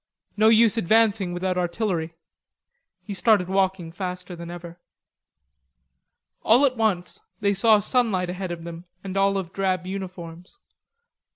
"No use advancing without artillery." He started walking faster than ever. All at once they saw sunlight ahead of them and olive drab uniforms.